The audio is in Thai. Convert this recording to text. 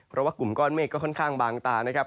เพราะว่ากลุ่มก้อนเมฆก็ค่อนข้างบางตานะครับ